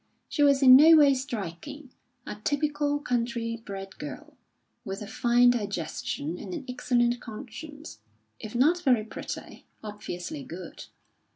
She was in no way striking; a typical, country bred girl, with a fine digestion and an excellent conscience; if not very pretty, obviously good.